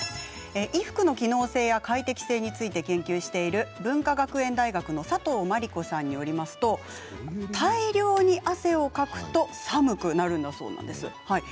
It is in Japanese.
衣服の機能性や快適性について研究している文化学園大学の佐藤真理子さんによりますと大量に汗をかくと寒くなるんだそうです。